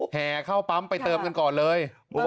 แห่เข้าปั๊มไปเติมกันก่อนเลย